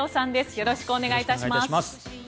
よろしくお願いします。